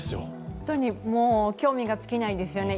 本当にもう興味が尽きないですね。